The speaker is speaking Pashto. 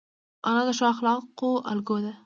انا د ښو اخلاقو الګو ده